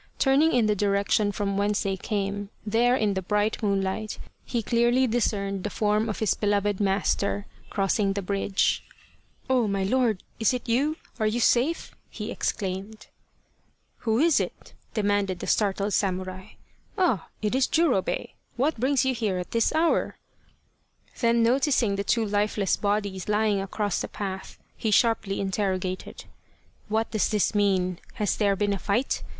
Turn ing in the direction from whence they came, there in the bright moonlight he clearly discerned the form of his beloved master, crossing the bridge. 7 The Quest of the Sword " Oh, my lord ! Is it you ? Are you safe ?" he exclaimed. " Who is it ?" demanded the startled samurai. " Ah it is Jurobei ! What brings you here at this hour ?" Then noticing the two lifeless bodies lying across the path, he sharply interrogated, " What does this mean ? Has there been a fight